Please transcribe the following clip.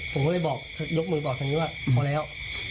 ผมก็เลยบอกยกมือบอกทางนี้ว่าพอแล้ว